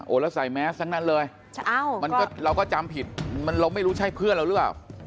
แล้วใส่แมสทั้งนั้นเลยเราก็จำผิดเราไม่รู้ใช่เพื่อนเราหรือเปล่า